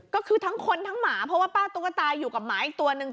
ก็คือทั้งคนทั้งหมาเพราะว่าป้าตุ๊กตาอยู่กับหมาอีกตัวนึง